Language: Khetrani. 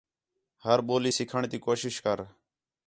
ہر ٻولی سِکھݨ تی کوشش کر